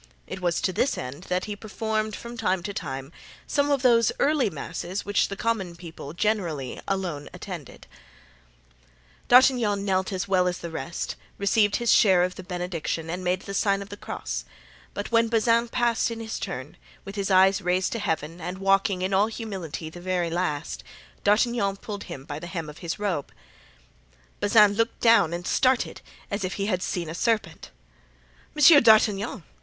It was to this end that he performed from time to time some of those early masses which the common people, generally, alone attended. * A sacerdotal officer. D'Artagnan knelt as well as the rest, received his share of the benediction and made the sign of the cross; but when Bazin passed in his turn, with his eyes raised to Heaven and walking, in all humility, the very last, D'Artagnan pulled him by the hem of his robe. Bazin looked down and started, as if he had seen a serpent. "Monsieur d'Artagnan!"